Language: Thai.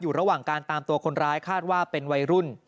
ระหว่างการตามตัวคนร้ายคาดว่าเป็นวัยรุ่น